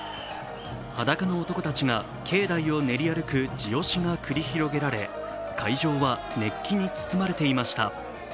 裸の男たちが境内を練り歩く地押しが繰り広げられ会場は熱気に包まれていました。